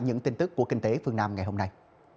những tin tức của kinh tế phương nam ngày hôm nay